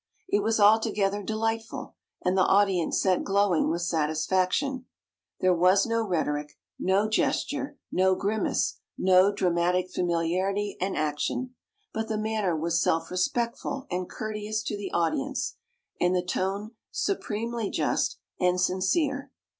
It was altogether delightful, and the audience sat glowing with satisfaction. There was no rhetoric, no gesture, no grimace, no dramatic familiarity and action; but the manner was self respectful and courteous to the audience, and the tone supremely just and sincere.